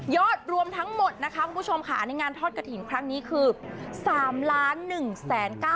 ยอดรวมทั้งหมดคุณผู้ชมค่ะในงานทอดกระถิ่นครั้งนี้คือ๓๑๙๗๘๒๘บาท๒๕สตางค์